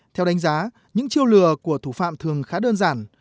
theo đánh giá những chiêu lừa của thủ phạm thường khá đơn giản